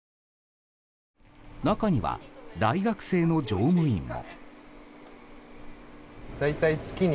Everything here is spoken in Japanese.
中には大学生の乗務員も。